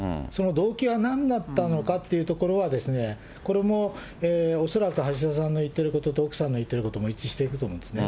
動機はなんだったのかというところは、これも、恐らく橋田さんの言ってることと奥さんの言ってること、一致していると思うんですよね。